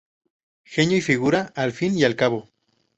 Genio y figura, al fin y al cabo.